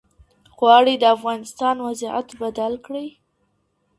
غواړي د افغانستان وضعيت بدل کړي.